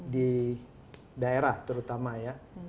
di daerah terutama ya